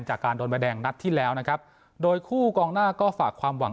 จากการโดนใบแดงนัดที่แล้วนะครับโดยคู่กองหน้าก็ฝากความหวัง